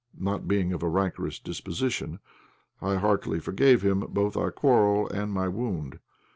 Not being of a rancorous disposition, I heartily forgave him both our quarrel and my wound.